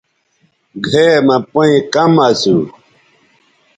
گھئے مہ پئیں کم اسُو۔